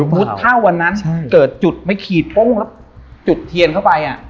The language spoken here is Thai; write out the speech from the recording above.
มุติถ้าวันนั้นเกิดจุดไม่ขีดโป้งแล้วจุดเทียนเข้าไป